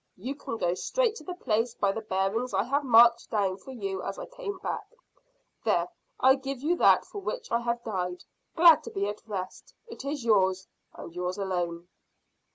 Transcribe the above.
You can go straight to the place by the bearings I have marked down for you as I came back. There, I give you that for which I have died, glad to be at rest. It is yours, and yours alone.'